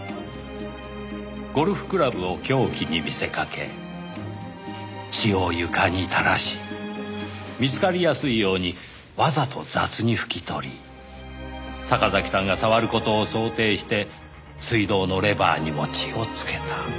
ゴルフクラブを凶器に見せかけ血を床に垂らし見つかりやすいようにわざと雑に拭き取り坂崎さんが触る事を想定して水道のレバーにも血をつけた。